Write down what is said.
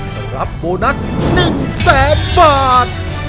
แต่รับโบนัส๑๐๐๐บาท